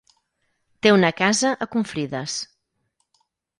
Té una casa a Confrides.